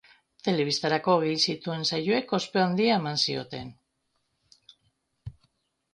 Telebistarako egin zituen saioek ospe handia eman zioten.